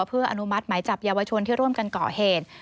เพื่ออนุมัติหมายจับเยาวชนที่ร่วมกันก่อเหตุ